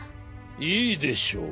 いいでしょう。